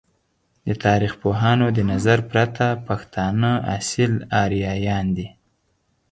د تاریخ پوهانو د نظر پرته ، پښتانه اصیل آریایان دی!